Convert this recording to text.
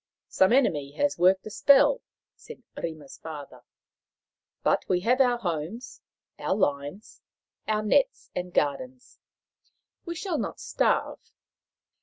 " Some enemy has worked a spell," said Rima's father. " But we have our homes, our lines, our nets and gardens. We shall not starve.